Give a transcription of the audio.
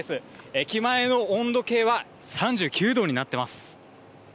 駅前の温度計は３９度になっています。